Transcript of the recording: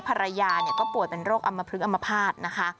ภรรยาก็ปลวดเป็นโรคอมพฤกษ์อำมพาต